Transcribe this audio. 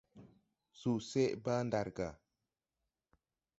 Susɛʼ bàa ɗaar gà.